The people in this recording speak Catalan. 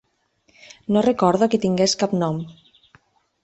No recordo que tingués cap nom.